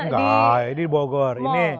enggak ini di bogor